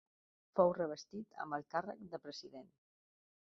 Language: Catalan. Fou revestit amb el càrrec de president.